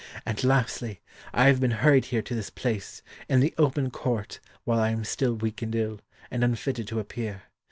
And, lastly, I have been hurried here to this place, in the open court, while I am still weak and ill, and unfitted to appear.